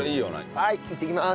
はいいってきまーす。